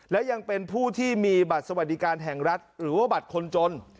และยังเป็นผู้ที่มีบัตรสวัสดิการแห่งรัฐหรือว่าบัตรคนจน